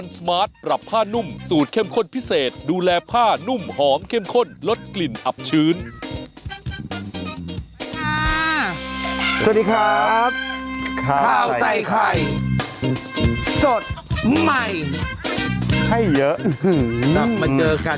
สวัสดีครับข้าวใส่ไข่สดใหม่ให้เยอะกลับมาเจอกัน